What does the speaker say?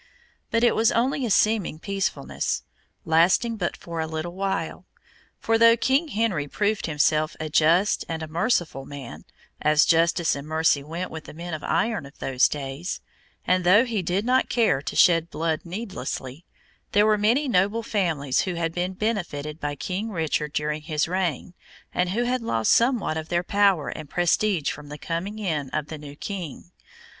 But it was only a seeming peacefulness, lasting but for a little while; for though King Henry proved himself a just and a merciful man as justice and mercy went with the men of iron of those days and though he did not care to shed blood needlessly, there were many noble families who had been benefited by King Richard during his reign, and who had lost somewhat of their power and prestige from the coming in of the new King.